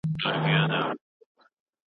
بیلتون دي قدر را معلوم کړ